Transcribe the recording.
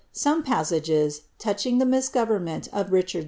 Some passages, touching the misgovernmeni of Riciiard H..